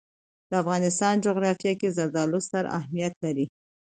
د افغانستان جغرافیه کې زردالو ستر اهمیت لري.